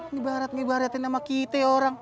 ngebaratin sama kita ya orang